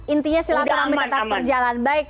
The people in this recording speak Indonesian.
intinya silaturahmi tetap berjalan